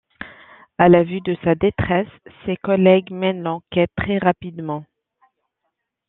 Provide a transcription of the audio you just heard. À la vue de sa détresse, ses collègues mènent l'enquête très rapidement.